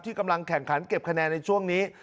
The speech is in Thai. กำลังแข่งขันเก็บคะแนนในช่วงนี้